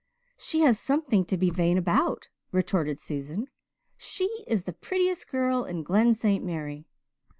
"She has something to be vain about," retorted Susan. "She is the prettiest girl in Glen St. Mary.